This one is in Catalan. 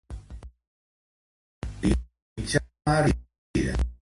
A més, s'utilitzen com a herbicides.